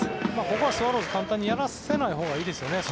ここはスワローズ簡単にやらせないほうがいいですね。